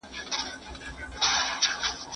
لویس ورت د دې برخې په اړه معلومات ورکړل.